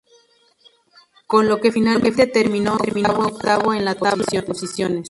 Con lo que finalmente terminó octavo en la tabla de posiciones.